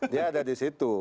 dia ada di situ